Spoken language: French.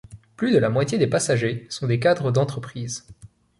Plus de la moitié des passagers sont des cadres d'entreprises.